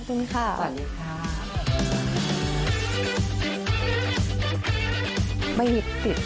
จนกันขอบคุณ